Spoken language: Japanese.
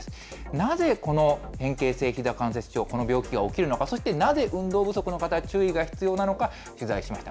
なぜこの変形性ひざ関節症、この病気が起きるのか、そしてなぜ運動不足の方、注意が必要なのか、取材しました。